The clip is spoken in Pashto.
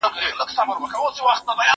موټر د زده کوونکي له خوا کارول کيږي!!